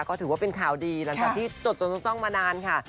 ก็ถือว่าเป็นข่าวดีหลังจากที่จดจดจ้องมานานค่ะ